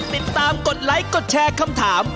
ติดตามกดไลค์กดแชร์คำถาม